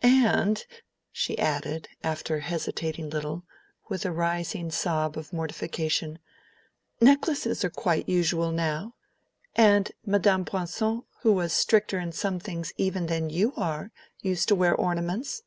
And," she added, after hesitating a little, with a rising sob of mortification, "necklaces are quite usual now; and Madame Poincon, who was stricter in some things even than you are, used to wear ornaments.